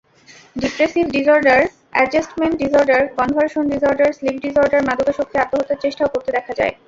Depressive disorder adjustment disorder, conversion disorder, sleep disorder, মাদকাসক্তি—আত্মহত্যার চেষ্টাও করতে দেখা যায়।